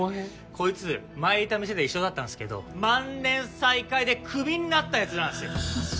こいつ前いた店で一緒だったんすけど万年最下位でクビになったヤツなんすよ・マジ？